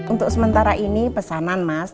untuk sementara ini pesanan mas